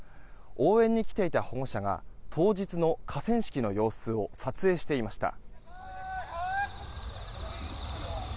応援に来ていた保護者が当日の河川敷の様子を撮影していました。